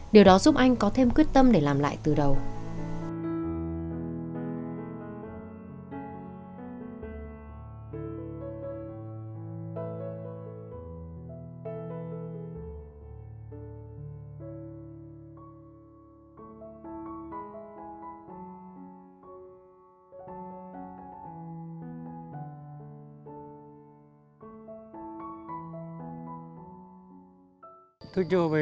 điều đó giúp anh có thêm quyết tâm để làm lại từ đầu